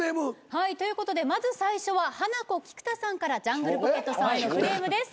はいということでまず最初はハナコ菊田さんからジャングルポケットさんへのクレームです